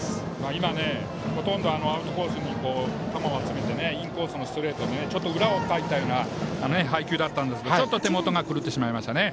今、ほとんどアウトコースに球を集めてインコースのストレートは裏をかいたような配球だったんですけど手元が狂ってしまいましたね。